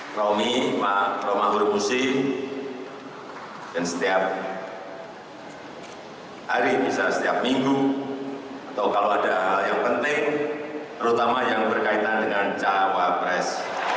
romi pak romahur musi dan setiap hari bisa setiap minggu atau kalau ada hal yang penting terutama yang berkaitan dengan cawapres